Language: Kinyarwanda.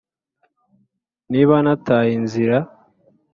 niba nataye inzira.